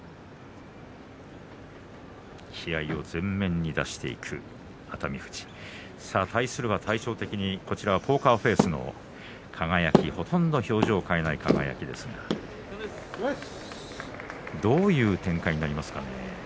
気合いを前面に出していく熱海富士対するは対照的にポーカーフェースのほとんど表情を変えない輝ですがどういう展開になりますかね。